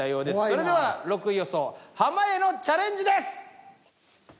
それでは６位予想濱家のチャレンジです。